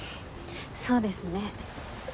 そうですね。